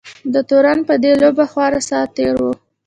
د تورن په دې لوبه خورا ساعت تېر وو.